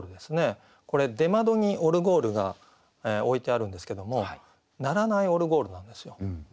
これ出窓にオルゴールが置いてあるんですけどもならないオルゴールなんですよ。